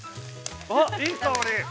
◆あっ、いい香り。